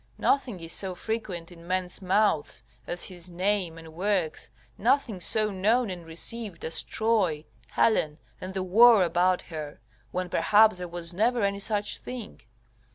Nothing is so frequent in men's mouths as his name and works, nothing so known and received as Troy, Helen, and the war about her, when perhaps there was never any such thing.